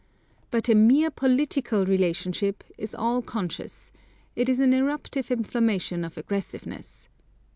But a mere political relationship is all conscious; it is an eruptive inflammation of aggressiveness.